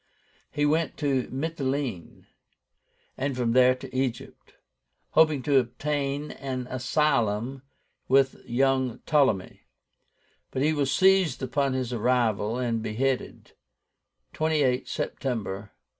He went to Mityléne, and from there to Egypt, hoping to obtain an asylum with the young PTOLEMY; but he was seized upon his arrival, and beheaded, 28 September, 48.